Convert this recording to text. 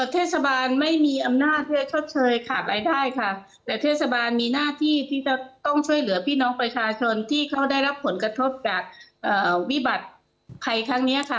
เทศบาลไม่มีอำนาจเพื่อชดเชยขาดรายได้ค่ะแต่เทศบาลมีหน้าที่ที่จะต้องช่วยเหลือพี่น้องประชาชนที่เขาได้รับผลกระทบจากวิบัติใครครั้งเนี้ยค่ะ